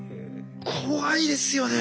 怖いですよね！